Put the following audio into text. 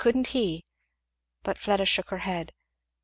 Couldn't he?" But Fleda shook her head.